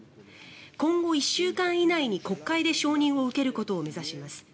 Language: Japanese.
今後１週間以内に国会で承認を受けることを目指します。